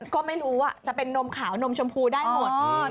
ก็ไม่รู้จะเป็นนมขาวนมชมพูได้หมด